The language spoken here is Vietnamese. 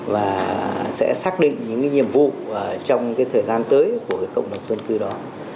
và sẽ xác định những nhiệm vụ trong thời gian tới của cộng đồng dân cư đó